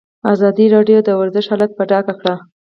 ازادي راډیو د ورزش حالت په ډاګه کړی.